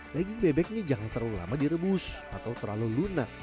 daging bebek ini jangan terlalu lama direbus atau terlalu lunak